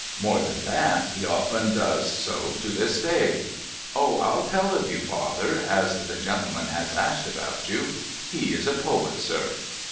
More than that, he often does so to this day. Oh ! I'll tell of you, father, as the gentleman has asked about you. He is a poet, sir.'